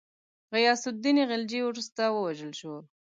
غیاث االدین خلجي وروسته ووژل شو.